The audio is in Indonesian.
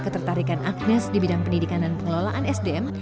ya ketertarikan agnez di bidang pendidikan dan pengelolaan sdm